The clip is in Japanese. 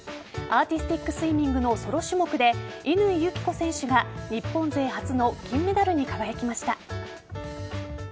アーティスティックスイミングのソロ種目で乾友紀子選手が日本勢初の金メダルに輝きました。